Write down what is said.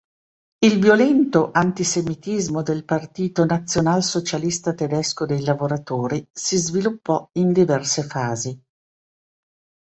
Il violento antisemitismo del Partito Nazionalsocialista Tedesco dei Lavoratori si sviluppò in diverse fasi.